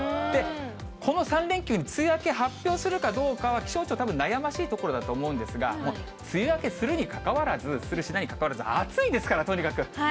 この３連休に梅雨明け発表するかどうかは、気象庁、たぶん悩ましいところだと思うんですが、梅雨明けするしないにかかわらず、暑いですから、とにかく。